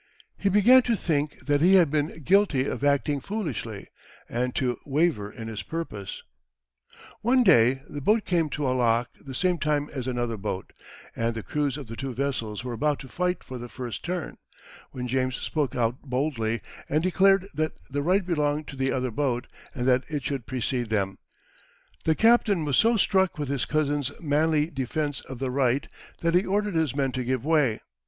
He began to think that he had been guilty of acting foolishly, and to waver in his purpose. [Illustration: On board the canal boat.] One day the boat came to a lock the same time as another boat, and the crews of the two vessels were about to fight for the first turn, when James spoke out boldly, and declared that the right belonged to the other boat, and that it should precede them. The captain was so struck with his cousin's manly defence of the right, that he ordered his men to give way.